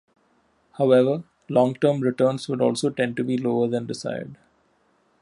However, long-term returns would also tend to be lower than desired.